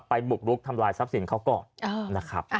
บุกรุกทำลายทรัพย์สินเขาก่อนนะครับ